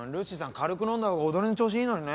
軽く飲んだほうが踊りの調子いいのにね。